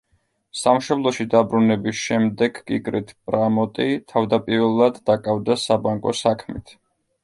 სამშობლოში დაბრუნების შემდეგ კიკრიტ პრამოტი თავდაპირველად დაკავდა საბანკო საქმით.